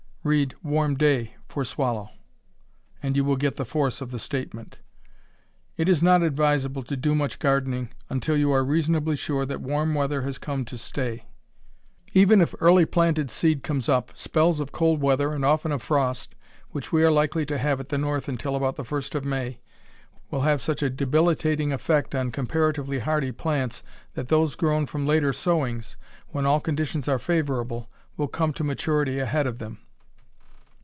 Read "warm day" for "swallow" and you will get the force of the statement. It is not advisable to do much at gardening until you are reasonably sure that warm weather has come to stay. Even if early planted seed comes up, spells of cold weather, and often of frost, which we are likely to have at the North until about the first of May, will have such a debilitating effect on comparatively hardy plants that those grown from later sowings, when all conditions are favorable, will come to maturity ahead of them.